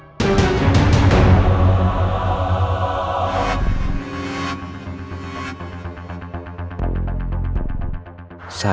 kepalaku pusing banget